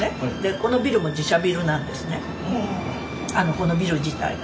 このビル自体が。